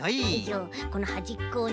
このはじっこをね。